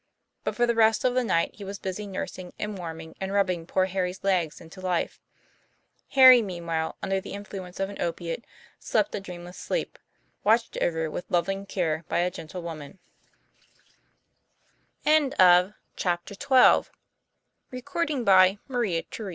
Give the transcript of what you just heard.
But for the rest of the night he was busy nursing and warming and rubbing poor Harry's legs into life. Tom, meanwhile, under the influence of an opiate, slept a dreamless sleep, watched over with loving care by a gentle woman.